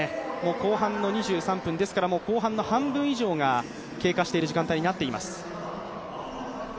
後半２３分ですから後半の半分以上が経過している時間帯になっています。